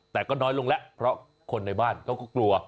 แต่ก็น้อยลงแล้วเพราะคนในบ้านเขาก็กลัว